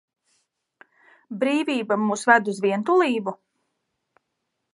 Brīvība mūs ved uz vientulību?